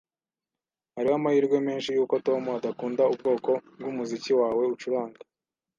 Hariho amahirwe menshi yuko Tom adakunda ubwoko bwumuziki wawe ucuranga